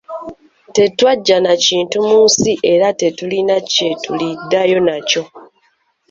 Tetwajja na kintu mu nsi era tetulina kye tuliddayo nakyo.